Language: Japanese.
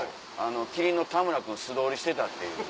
麒麟の田村君素通りしてたっていう。